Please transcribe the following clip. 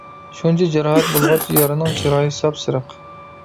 شۇنچە جاراھەت بولغاچ، يارنىڭ چىرايى ساپ-سېرىق.